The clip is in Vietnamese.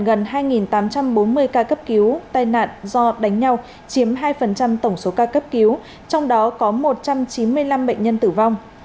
gần hai tám trăm bốn mươi ca cấp cứu tai nạn do đánh nhau chiếm hai tổng số ca cấp cứu trong đó có một trăm chín mươi năm bệnh nhân tử vong